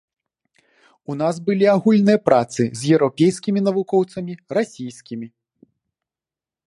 У нас былі агульныя працы з еўрапейскімі навукоўцамі, расійскімі.